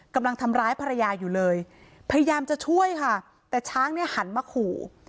กำลังทำร้ายภรรยาอยู่เลยพยายามจะช่วยค่ะแต่ช้างเนี่ยหันมาขู่